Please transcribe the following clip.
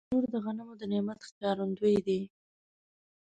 تنور د غنمو د نعمت ښکارندوی دی